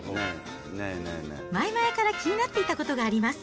前々から気になっていたことがあります。